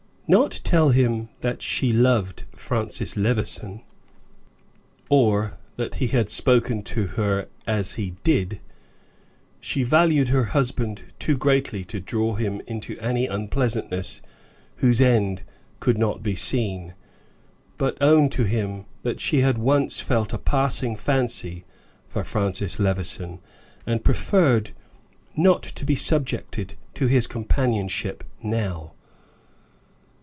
Not tell him that she loved Francis Levison, or that he had spoken to her as he did; she valued her husband too greatly to draw him into any unpleasantness whose end could not be seen; but own to him that she had once felt a passing fancy for Francis Levison, and preferred not to be subjected to his companionship now.